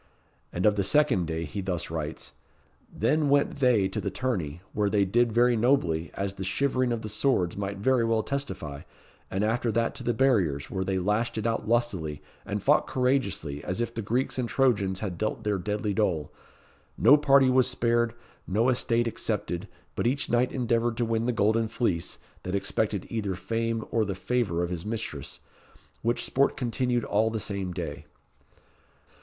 And of the second day he thus writes: "Then went they to the tourney, where they did very nobly, as the shivering of the swords might very well testify; and after that to the barriers, where they lashed it out lustily, and fought courageously, as if the Greeks and Trojans had dealt their deadly dole. No party was spared, no estate excepted, but each knight endeavoured to win the golden fleece, that expected either fame or the favour of his mistress, which sport continued all the same day."